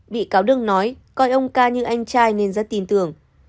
bị cáo đương nói coi ông ca như anh trai nên rất tin tưởng